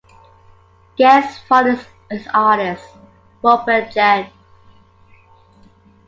Genn's father is artist Robert Genn.